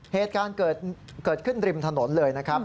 เหตุการณ์เกิดขึ้นริมถนนเลยนะครับ